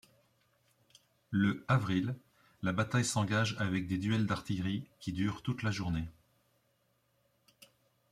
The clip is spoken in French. Le avril, la bataille s'engage avec des duels d'artillerie qui durent toute la journée.